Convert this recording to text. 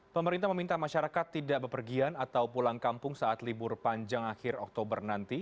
pemerintah meminta masyarakat tidak berpergian atau pulang kampung saat libur panjang akhir oktober nanti